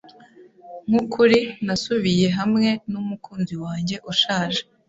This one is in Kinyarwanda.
Nkukuri, nasubiye hamwe numukunzi wanjye ushaje.